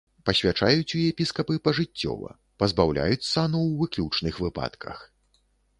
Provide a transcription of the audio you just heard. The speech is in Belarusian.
Пасвячаюць у епіскапы пажыццёва, пазбаўляюць сану ў выключных выпадках.